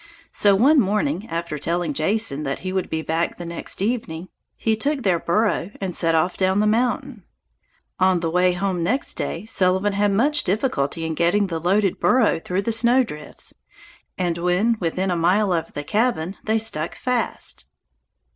So one morning, after telling Jason that he would be back the next evening, he took their burro and set off down the mountain. On the way home next day Sullivan had much difficulty in getting the loaded burro through the snowdrifts, and when within a mile of the cabin, they stuck fast.